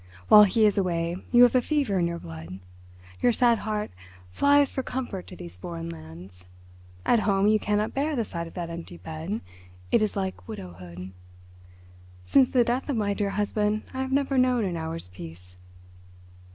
While he is away you have a fever in your blood. Your sad heart flies for comfort to these foreign lands. At home you cannot bear the sight of that empty bed—it is like widowhood. Since the death of my dear husband I have never known an hour's peace."